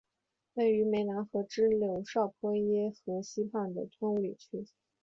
位于湄南河支流昭披耶河西畔的吞武里区。